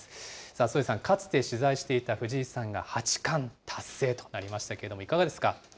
添さん、かつて取材した藤井さんが八冠達成となりましたけども、いかがですか。